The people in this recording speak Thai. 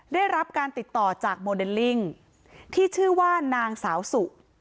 ได้รับการติดต่อจากโมเดลลิ่งที่ชื่อว่านางสาวสุ